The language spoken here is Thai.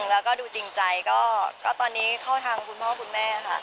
แล้วก็ดูจริงใจก็ตอนนี้เข้าทางคุณพ่อคุณแม่ค่ะ